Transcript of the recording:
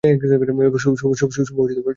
শুভ Canada দিবস!